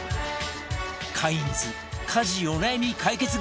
カインズ家事お悩み解決グッズ